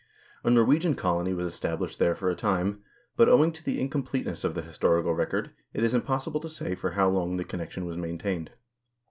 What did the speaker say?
1 A Norwegian colony was established there for a time, but owing to the incompleteness of the historical record, it is im possible to say for how long the connection was maintained.